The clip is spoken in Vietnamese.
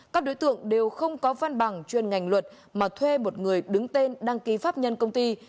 các đối tượng đều không có văn bằng chuyên ngành luật mà thuê một người đứng tên đăng ký pháp nhân công ty